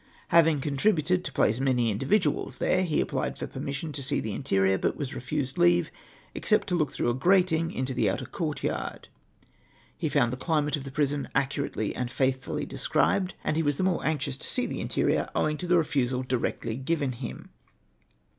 Having contributed to place many individuals there, he applied for jDermission to see the interior, but was refused leave, except to look through a grating into the outer court yard. He found the climate of the jorison accurately and faithfully described, and he was the more anxious to see the interior, owing to the refusal directly given him.